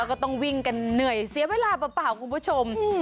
ก็ต้องวิ่งกันเหนื่อยเสียเวลาเปล่าคุณผู้ชม